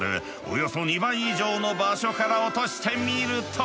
およそ２倍以上の場所から落としてみると。